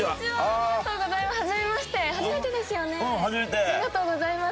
ありがとうございます。